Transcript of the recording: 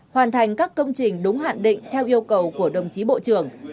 hoàn thành các công trình đúng hạn định theo yêu cầu của đồng chí bộ trưởng